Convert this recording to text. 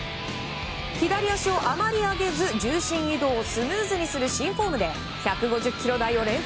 左足をあまり上げず、重心移動をスムーズにする新フォームで１５０キロ台を連発。